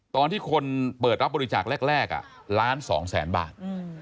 ตอนที่คนเปิดรับบริจาคแรกล้าน๒แสนบาท